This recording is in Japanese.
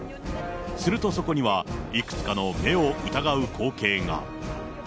するとそこには、いくつかの目を疑う光景が。